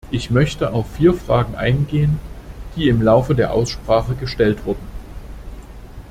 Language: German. Ich möchte auf vier Fragen eingehen, die im Laufe der Aussprache gestellt wurden.